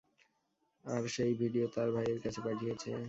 আর সে এই ভিডিও তার ভাইয়ের কাছে পাঠিয়েছে।